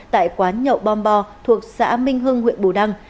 tại quán nhậu bom thuộc xã minh hưng huyện bù đăng